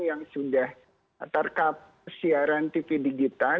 yang sudah terkap siaran tv digital